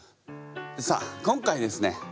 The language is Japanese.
さあ今回ですね